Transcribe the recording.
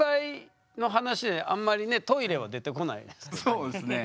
そうですね。